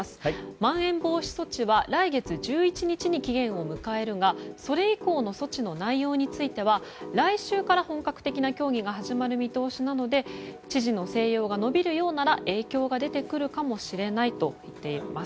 まん延防止措置は来月１１日に期限を迎えるがそれ以降の措置の内容については来週から本格的な協議が始まる見通しなので知事の静養が延びるようなら影響が出てくるかもしれないと言っています。